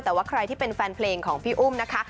แต่ว่าใครที่เป็นแฟนเพลงของพี่อุ้มนะคะ